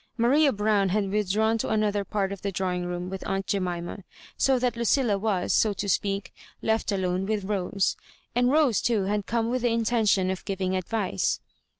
Maria Brown had withdrawn to another part of the drawhig^room with aunt Jemima, so that Lncilla was, so to speak, left alone with Rose. And Rose, too, had come with the intention of giving advice.